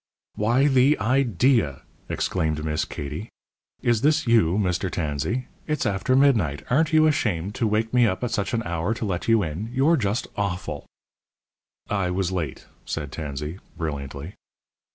"Why, the i de a!" exclaimed Miss Katie, "is this you, Mr. Tansey? It's after midnight. Aren't you ashamed to wake me up at such an hour to let you in? You're just awful!" "I was late," said Tansey, brilliantly.